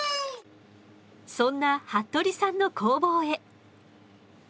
そんな服部さんの工房へ。